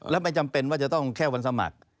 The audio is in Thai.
แล้วไม่จำเป็นว่าจะต้องแค่วันสมัคร